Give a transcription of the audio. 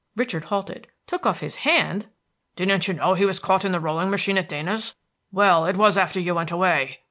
Richard halted. "Took off his hand?" "Didn't you know he was caught in the rolling machine at Dana's? Well, it was after you went away."